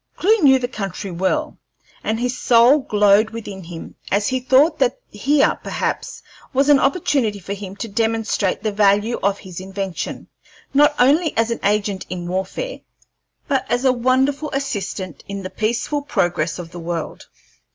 Clewe knew the country well, and his soul glowed within him as he thought that here perhaps was an opportunity for him to demonstrate the value of his invention, not only as an agent in warfare, but as a wonderful assistant in the peaceful progress of the world.